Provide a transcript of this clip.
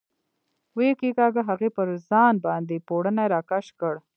ویې کېکاږه، هغې پر ځان باندې پوړنی را کش کړ.